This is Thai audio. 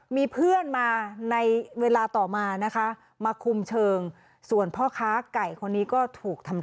มีเพื่อนมาในเวลาต่อมานะคะมาคุมเชิงส่วนพ่อค้าไก่คนนี้ก็ถูกทำ